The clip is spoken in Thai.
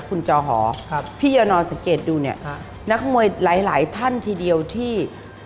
คุณจอหอพี่ยานอนสังเกตดูเนี่ยนักมวยหลายท่านทีเดียวที่